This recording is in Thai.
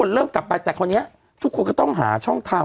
เริ่มกลับไปแต่คราวนี้ทุกคนก็ต้องหาช่องทาง